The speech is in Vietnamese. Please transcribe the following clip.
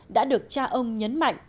đã được cha ông nhấn mạnh